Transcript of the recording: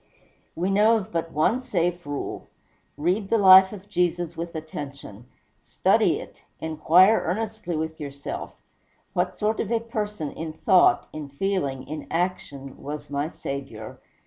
We know of but one safe rule: read the life of Jesus with attention study it inquire earnestly with yourself, "What sort of a person, in thought, in feeling, in action, was my Saviour?"